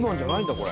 これ。